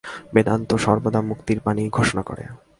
বেদান্ত সর্বদা মুক্তির বাণীই ঘোষণা করে।